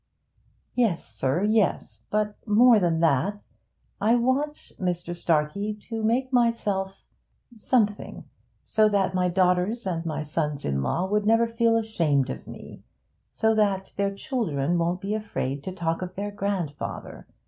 'Yes, sir, yes. But more than that. I want, Mr. Starkey, to make myself something so that my daughters and my sons in law would never feel ashamed of me so that their children won't be afraid to talk of their grandfather.